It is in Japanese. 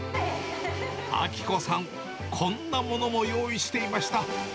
明子さん、こんなものも用意していました。